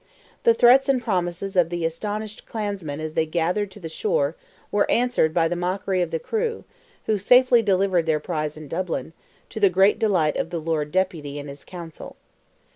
The threats and promises of the astonished clansmen as they gathered to the shore were answered by the mockery of the crew, who safely delivered their prize in Dublin, to the great delight of the Lord Deputy and his Council.